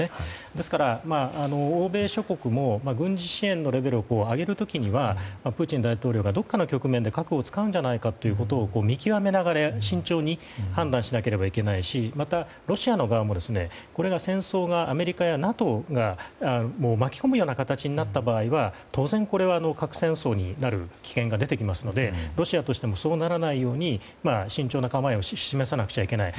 ですから、欧米諸国も軍事支援のレベルを上げる時にはプーチン大統領がどこかの局面で核を使うんじゃないかということを見極めながら慎重に判断しなければいけないしまた、ロシアの側も戦争がアメリカやＮＡＴＯを巻き込むような形になった場合は当然、これは核戦争になる危険が出てきますのでロシアとしてもそうならないように慎重な構えを示さなくちゃいけない。